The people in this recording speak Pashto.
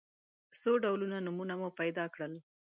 څو ډوله نومونه مو پیدا کړل.